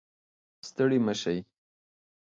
ستړي مه شئ